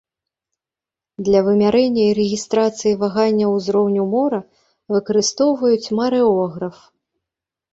Для вымярэння і рэгістрацыі ваганняў узроўню мора выкарыстоўваюць марэограф.